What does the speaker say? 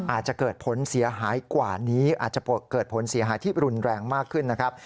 อาจจะเกิดผลเสียหายกว่านี้อาจจะเกิดผลเสียหายที่รุนแรงมากขึ้นนะครับ